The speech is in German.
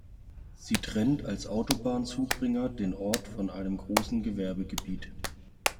Sie trennt als Autobahnzubringer den Ort von einem großen Gewerbegebiet.